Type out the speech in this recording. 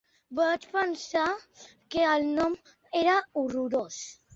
Vaig pensar que el nom era horrorós.